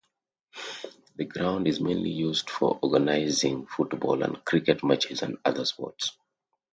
The ground is mainly used for organizing football and cricket matches and other sports.